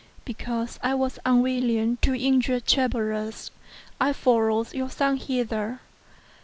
Because I was unwilling to injure travellers I followed your son hither.